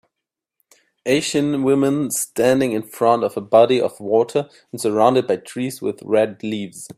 Asian women standing in front of a body of water and surrounded by trees with red leaves.